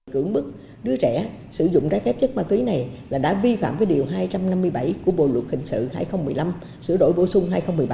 cưỡng bức đứa trẻ sử dụng trái phép chất ma túy này là đã vi phạm điều hai trăm năm mươi bảy của bộ luật hình sự hai nghìn một mươi năm sửa đổi bổ sung hai nghìn một mươi ba